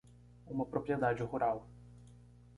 Uma propriedade rural.